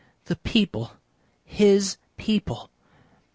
The people! His people!